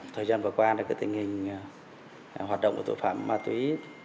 thời gian vừa qua tình hình hoạt động của tội phạm ma túy